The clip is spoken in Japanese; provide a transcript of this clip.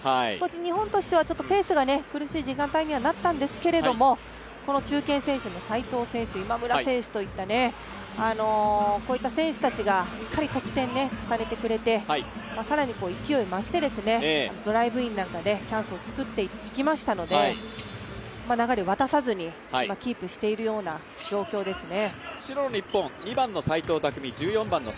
日本としては少しペースが苦しい時間帯にはなったんですけれども中堅選手の齋藤選手今村選手といった選手たちがしっかり得点を重ねてくれて更に勢いを増してドライブインなんかでチャンスを作っていきましたので流れを渡さずにキープしているような状況ですね。